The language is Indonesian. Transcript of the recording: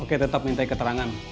oke tetap minta keterangan